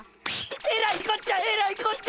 えらいこっちゃえらいこっちゃ！